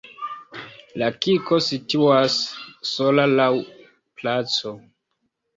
La kirko situas sola laŭ placo.